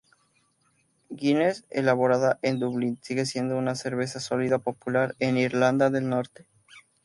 Guinness, elaborada en Dublín sigue siendo una cerveza sólida popular en Irlanda del Norte.